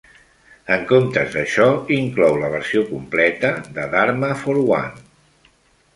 En comptes d'això, inclou la versió completa de "Dharma for One".